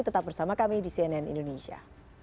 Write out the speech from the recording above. tetap bersama kami di cnn indonesia